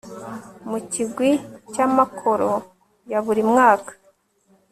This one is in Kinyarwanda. mu kigwi cy'amakoro ya buri mwaka